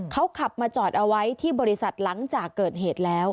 เขาขับมาจอดเอาไว้ที่บริษัทหลังจากเกิดเหตุแล้ว